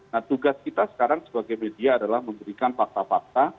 nah tugas kita sekarang sebagai media adalah memberikan fakta fakta